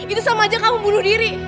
itu sama aja kamu bunuh diri